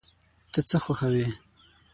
ته څه خوښوې؟